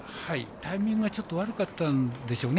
タイミングがちょっと悪かったんでしょうね